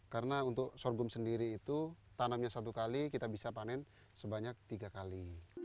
karena untuk sorghum sendiri itu tanamnya satu kali kita bisa panen sebanyak tiga kali